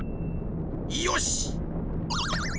よし！